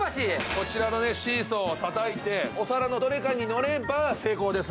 こちらのシーソーをたたいてお皿のどれかに乗れば成功です。